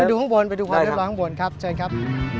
ไปดูข้างบนไปดูข้างบนครับเชิญครับ